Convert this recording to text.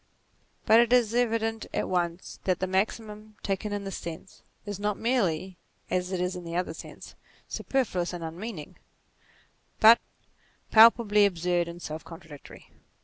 But it is evident at once that the maxim, taken in this sense, is not merely, as it is in the other sense, superfluous and unmeaning, but palpably absurd and self contradictory.